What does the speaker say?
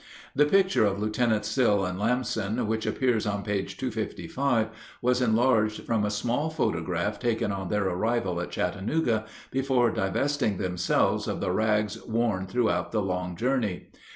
The picture of Lieutenants Sill and Lamson which appears on page 255 was enlarged from a small photograph taken on their arrival at Chattanooga, before divesting themselves of the rags worn throughout the long journey.